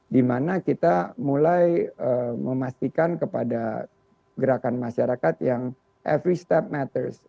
dimana kita mulai memastikan kepada gerakan masyarakat yang every step matters